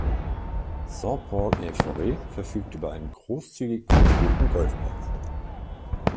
Saint-Paul-en-Forêt verfügt über einen großzügig angelegten Golfplatz.